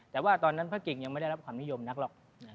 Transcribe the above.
แต่ว่าตอนนั้นพระเก่งยังไม่ได้รับความนิยมนักหรอก